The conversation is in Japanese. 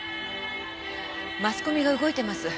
マスコミが動いてます。